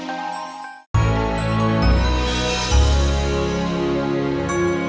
aku akan selalu ada